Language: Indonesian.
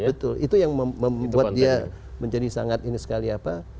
betul itu yang membuat dia menjadi sangat ini sekali apa